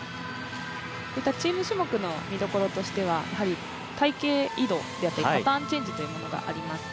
チーム種目の見所としては隊形移動パターンチェンジというのがあります。